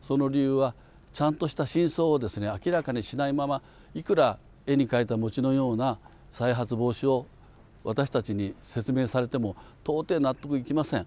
その理由は、ちゃんとした真相を明らかにしないまま、いくら絵に描いた餅のような再発防止を私たちに説明されても、到底納得いきません。